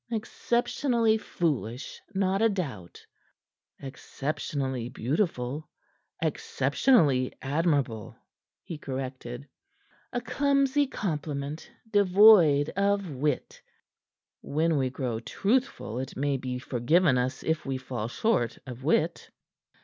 "Exceptionally foolish, not a doubt." "Exceptionally beautiful; exceptionally admirable," he corrected. "A clumsy compliment, devoid of wit!" "When we grow truthful, it may be forgiven us if we fall short of wit."